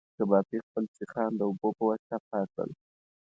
کبابي خپل سیخان د اوبو په واسطه پاک کړل.